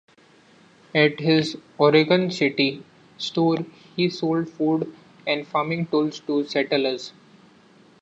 At his Oregon City store he sold food and farming tools to settlers.